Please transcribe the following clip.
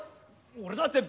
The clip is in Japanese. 俺だって！